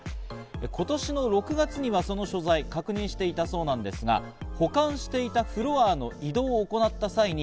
今年の６月にはその所在を確認していたそうなんですが、保管していたフロアの移動を行った際に